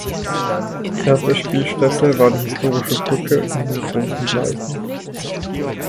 Erste Spielstätte war die historische "Brücke" in den "Großen Bleichen".